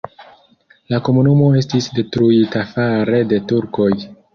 La komunumo estis detruita fare de turkoj.